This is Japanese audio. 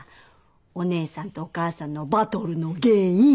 お義姉さんとお母さんのバトルの原因。